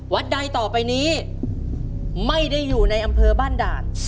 ใดต่อไปนี้ไม่ได้อยู่ในอำเภอบ้านด่าน